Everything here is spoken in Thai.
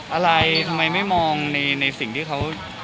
อะไรทำไมไม่มองในสิ่งที่เขา